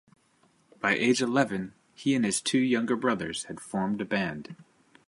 By age eleven, he and his two younger brothers had formed a band.